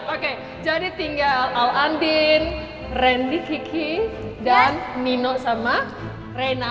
oke jadi tinggal al andin randy kiki dan nino sama reina